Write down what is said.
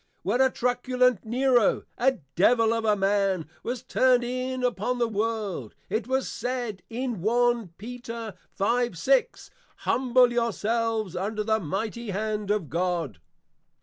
When a Truculent Nero, a Devil of a Man, was turned in upon the World, it was said, in 1 Pet. 5.6. _Humble your selves under the mighty hand of God.